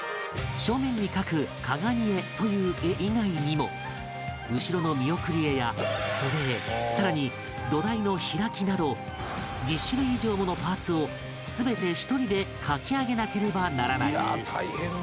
今回後ろの見送り絵や袖絵さらに土台の開きなど１０種類以上ものパーツを全て１人で描き上げなければならない